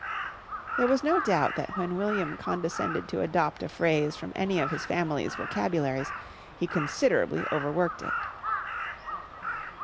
There was no doubt that when William condescended to adopt a phrase from any of his family's vocabularies, he considerably overworked it.